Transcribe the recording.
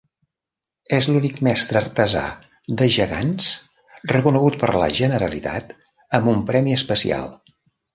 És l'únic Mestre Artesà de gegants reconegut per la Generalitat amb un premi especial.